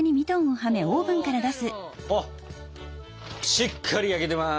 しっかり焼けてます！